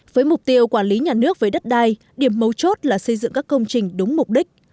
với mục tiêu quản lý nhà nước với đất đai điểm mấu chốt là xây dựng các công trình đúng mục đích